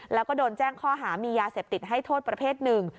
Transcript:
แล้วก็โดนแจ้งข้อหามียาเสพติดให้โทษประเภทหนึ่ง